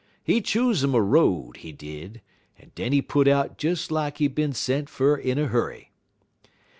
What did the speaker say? He choose 'im a road, he did, en den he put out des lak he bin sent fer in a hurry.